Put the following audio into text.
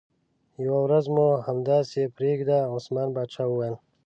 یوه ورځ به مو همداسې پرېږدي، عثمان باچا وویل.